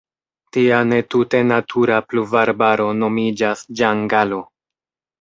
Tia ne tute natura pluvarbaro nomiĝas ĝangalo.